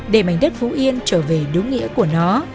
để mảnh đất phú yên trở về đúng nghĩa của nó